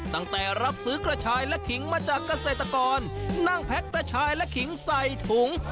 รับซื้อกระชายและขิงมาจากเกษตรกรนั่งแพ็กกระชายและขิงใส่ถุง